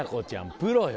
プロよ。